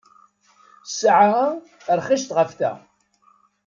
Ssaɛa-a rxiset ɣef ta.